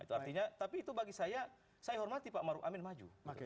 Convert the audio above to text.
itu artinya tapi itu bagi saya saya hormati pak maruf amin maju